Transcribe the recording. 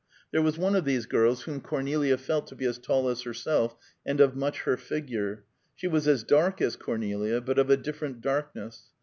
There was one of these girls, whom Cornelia felt to be as tall as herself, and of much her figure; she was as dark as Cornelia, but of a different darkness.